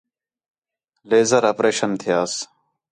لیزر اپریشن تھیاس